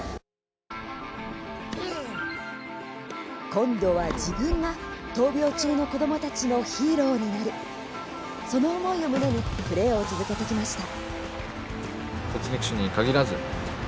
今度は自分が闘病中の子どもたちのヒーローになるその思いを胸にプレーを続けてきました。